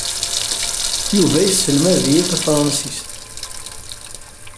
Yuba yesselmad-iyi tafṛensist.